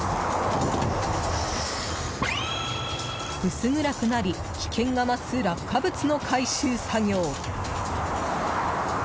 薄暗くなり危険が増す落下物の回収作業。